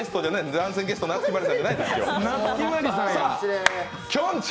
番宣ゲスト、夏木マリさんじゃないですよ。